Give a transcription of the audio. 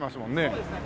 そうですね。